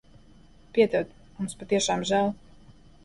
Piedod. Mums patiešām žēl.